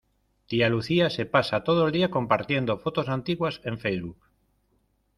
Tía Lucía se pasa todo el día compartiendo fotos antiguas en Facebook.